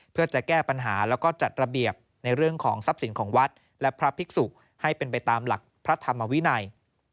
เพื่อจะแก้ปัญหาแล้วก็จัดระเบียบในเรื่องของทรัพย์สินของวัดและพระภิกษุให้เป็นไปตามหลักพระธรรมวินัย